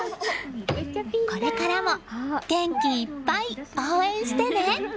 これからも元気いっぱい応援してね！